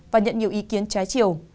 và nhận nhiều ý kiến trái chiều